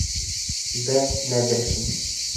Д. НӘҘЕРШИН.